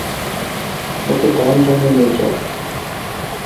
ওকে ডাউনটাউনে নিয়ে যাও।